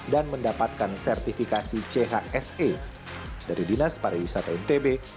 dan mendapatkan sertifikasi chse dari dinas pariwisata ntb